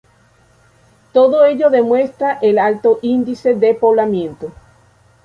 Todo ello demuestra el alto índice de poblamiento.